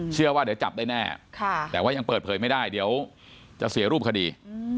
เชื่อว่าเดี๋ยวจับได้แน่แต่ว่ายังเปิดเผยไม่ได้เดี๋ยวจะเสียรูปคดี